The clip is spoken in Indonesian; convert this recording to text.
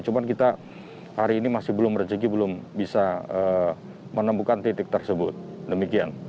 cuma kita hari ini masih belum rezeki belum bisa menemukan titik tersebut demikian